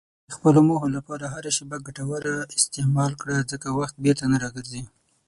د خپلو موخو لپاره هره شېبه ګټوره استعمال کړه، ځکه وخت بیرته نه راګرځي.